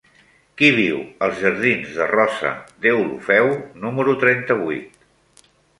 Qui viu als jardins de Rosa Deulofeu número trenta-vuit?